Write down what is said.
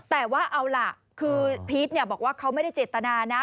แต่ว่าเอาล่ะคือพีชบอกว่าเขาไม่ได้เจตนานะ